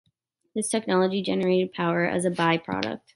This technology generated power as a by-product.